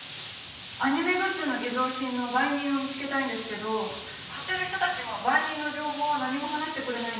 アニメグッズの偽造品の売人を見つけたいんですけど買ってる人たちも売人の情報は何も話してくれないんです。